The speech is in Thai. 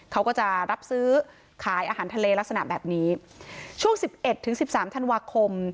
เขาก็จะรับซื้อขายอาหารทะเลลักษณะแบบนี้ช่วงสิบเอ็ดถึงสิบสามธันวาคม